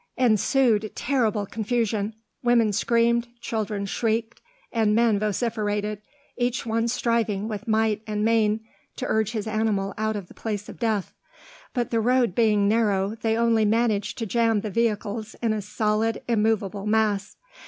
Ensued terrible confusion; women screamed, children shrieked, and men vociferated, each one striving with might and main to urge his animal out of the place of death. But the road being narrow, they only managed to jam the vehicles in a solid immovable mass.